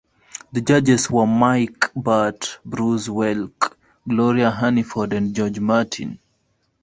The judges were Mike Batt, Bruce Welch, Gloria Hunniford and George Martin.